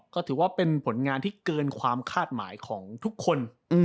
ก็ถือว่าเป็นผลงานที่เกินความคาดหมายของทุกคน